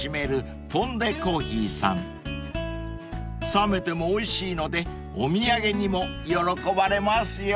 ［冷めてもおいしいのでお土産にも喜ばれますよ］